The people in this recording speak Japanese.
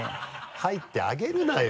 入ってあげるなよ。